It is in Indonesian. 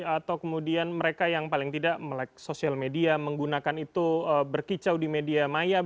atau kemudian mereka yang paling tidak melek sosial media menggunakan itu berkicau di media maya